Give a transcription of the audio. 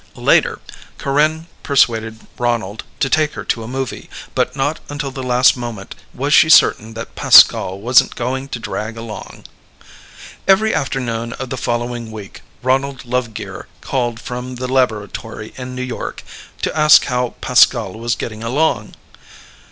Later, Corinne persuaded Ronald to take her to a movie, but not until the last moment was she certain that Pascal wasn't going to drag along. Every afternoon of the following week Ronald Lovegear called from the laboratory in New York to ask how Pascal was getting along.